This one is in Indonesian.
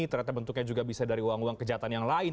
ternyata bentuknya juga bisa dari uang uang kejahatan yang lain